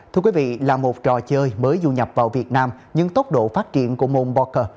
thưa quý vị là một trò chơi mới du nhập vào việt nam nhưng tốc độ phát triển của monocer